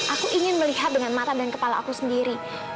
aku ingin melihat dengan mata dan kepala aku sendiri